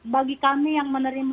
bagi kami yang menerima